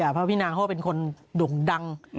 เพราะพี่นางเขาเป็นคนด่งดัง